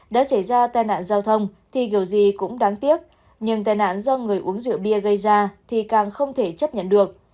đã xảy ra tai nạn giao thông thì điều gì cũng đáng tiếc nhưng tai nạn do người uống rượu bia gây ra thì càng không thể chấp nhận được